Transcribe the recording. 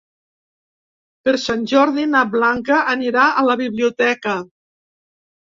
Per Sant Jordi na Blanca anirà a la biblioteca.